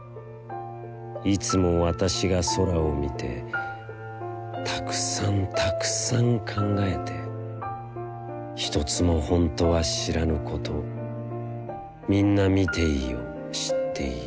いつもわたしが空をみて、たくさん、たくさん、考えて、ひとつもほんとは知らぬこと、みんなみていよ、知っていよ。